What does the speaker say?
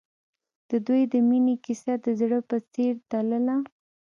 د دوی د مینې کیسه د زړه په څېر تلله.